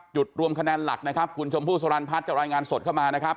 รวมคะแนนหลักนะครับคุณชมพู่สรรพัฒน์จะรายงานสดเข้ามานะครับ